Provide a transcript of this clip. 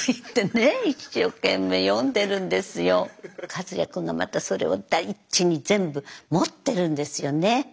和也君がまたそれを大事に全部持ってるんですよね。